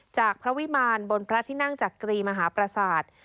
จากพระวิมารบนพระที่นั่งจักรีมหาประสาท